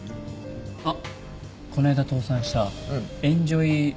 あっこの間倒産したエンジョイ。